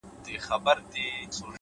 پرمختګ د تکرار نه ستړی کېدل دي.!